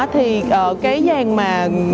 thì cái dàn mà